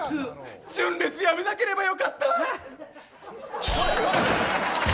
純烈辞めなければよかった。